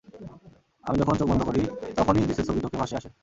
আমি যখন চোখ বন্ধ করি, তখনই জেসের ছবি চোখে ভাসে আসে।